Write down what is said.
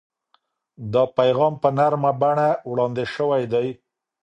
دا پیغام په نرمه بڼه وړاندې شوی دی.